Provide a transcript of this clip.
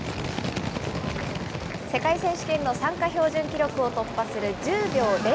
世界選手権の参加標準記録を突破する１０秒０４。